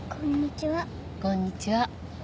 こんにちは。